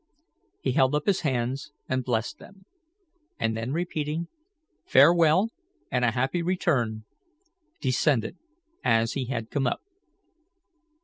He held up his hands and blessed them; and then repeating, "Farewell and a happy return!" descended as he had come up.